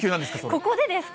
ここでですか？